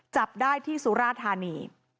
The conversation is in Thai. จับได้ที่สุราธานี